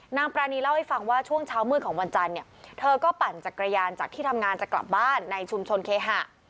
ปรานีเล่าให้ฟังว่าช่วงเช้ามืดของวันจันทร์เนี่ยเธอก็ปั่นจักรยานจากที่ทำงานจะกลับบ้านในชุมชนเคหะ